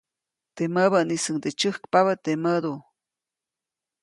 Teʼ mäbäʼnisuŋde tsyäjkpabä teʼ mädu.